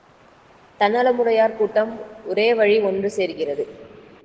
தன்னலமுடையார் கூட்டம் ஒரோவழி ஒன்று சேர்கிறது!